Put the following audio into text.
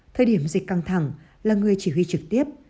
thời điểm dịch căng thẳng là người chỉ huy trực tiếp